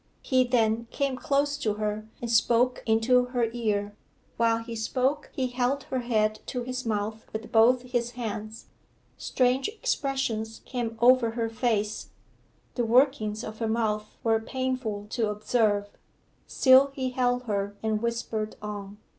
He then came close to her, and spoke into her ear. Whilst he spoke he held her head to his mouth with both his hands. Strange expressions came over her face; the workings of her mouth were painful to observe. Still he held her and whispered on.